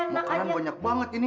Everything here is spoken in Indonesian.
makanan banyak banget ini